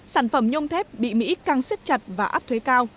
sản phẩm nhông thép bị mỹ căng xếp chặt và áp thuế cao